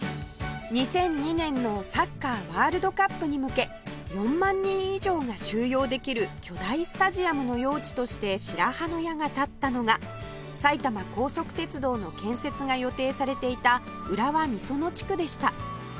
２００２年のサッカーワールドカップに向け４万人以上が収容できる巨大スタジアムの用地として白羽の矢が立ったのが埼玉高速鉄道の建設が予定されていた浦和美園地区でした